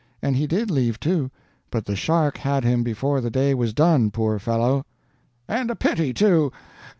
And he did leave, too, but the shark had him before the day was done, poor fellow." "And a pity, too.